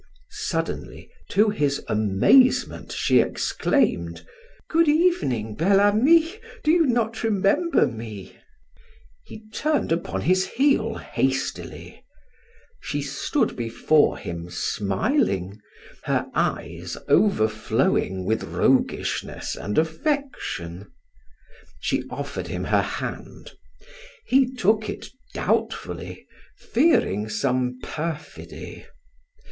Suddenly to his amazement, she exclaimed: "Good evening, Bel Ami; do you not remember me?" He turned upon his heel hastily; she stood before him smiling, her eyes overflowing with roguishness and affection. She offered him her hand; he took it doubtfully, fearing some perfidy.